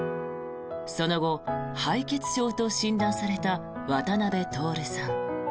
その後、敗血症と診断された渡辺徹さん。